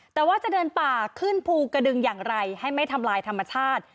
แต่ว่าจะเดินป่าขึ้นภูกระดึงอย่างไรให้ไม่ทำลายธรรมชาติ